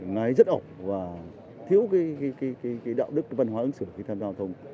lái rất ổn và thiếu cái đạo đức cái văn hóa ứng xử của cái tham gia giao thông